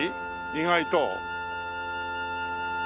意外と。